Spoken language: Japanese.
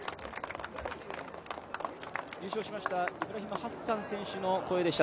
優勝しましたイブラヒム・ハッサン選手の声でした。